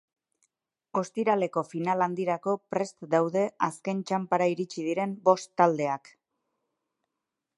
Ostiraleko final handirako prest daude azken txanpara iritsi diren bost taldeak.